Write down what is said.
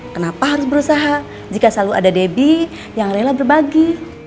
kenapa harus berusaha jika selalu ada debbie yang rela berbagi